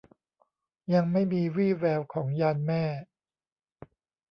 ยังไม่มีวี่แววของยานแม่